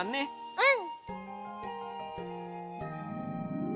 うん！